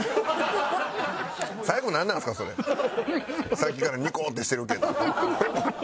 さっきからニコってしてるけど。